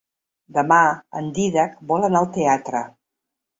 Demà en Dídac vol anar al teatre.